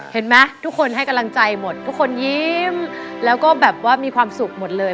เห็นไหมทุกคนให้กำลังใจหมดทุกคนยิ้มแล้วก็แบบว่ามีความสุขหมดเลย